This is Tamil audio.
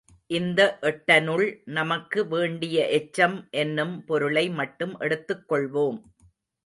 இந்த எட்டனுள் நமக்கு வேண்டிய எச்சம் என்னும் பொருளை மட்டும் எடுத்துக் கொள்வோம்.